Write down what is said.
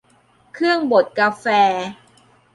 เครื่องบดกาแฟ